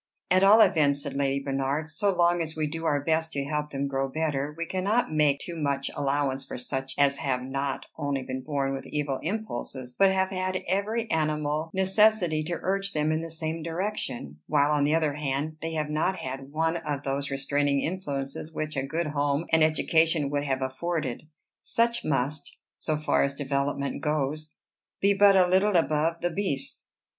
"At all events," said Lady Bernard, "so long as we do our best to help them to grow better, we cannot make too much allowance for such as have not only been born with evil impulses, but have had every animal necessity to urge them in the same direction; while, on the other hand, they have not had one of those restraining influences which a good home and education would have afforded. Such must, so far as development goes, be but a little above the beasts."